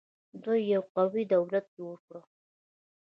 دوی یو قوي دولت جوړ کړ